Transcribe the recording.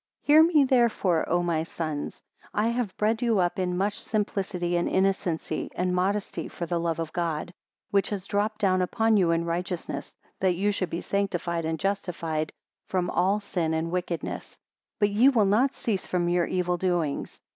96 Hear me therefore, O my sons! I have bred you up in much simplicity, and innocency, and modesty, for the love of God, which has dropped down upon you in righteousness, that you should be sanctified and justified from all sin and wickedness; but ye will not cease from your evil doings.